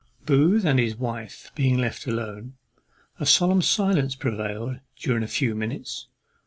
_ Booth and his wife being left alone, a solemn silence prevailed during a few minutes.